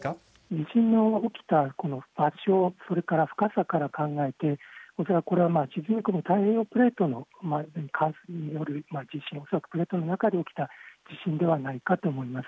地震が起きた場所、それから深さから考えて、恐らくこれは太平洋プレートの地震、恐らくプレートの中で起きた地震ではないかと思います。